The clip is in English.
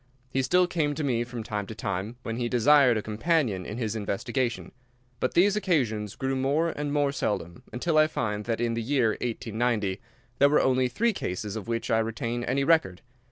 He still came to me from time to time when he desired a companion in his investigation, but these occasions grew more and more seldom, until I find that in the year 1890 there were only three cases of which I retain any record.